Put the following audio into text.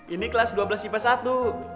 ini kelas dua belas tipe satu